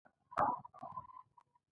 ایا ستاسو پیرکي به تاوده نه وي؟